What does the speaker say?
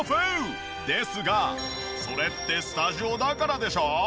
ですがそれってスタジオだからでしょ？